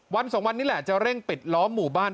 สองวันนี้แหละจะเร่งปิดล้อมหมู่บ้าน